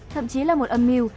thậm chí là một âm mưu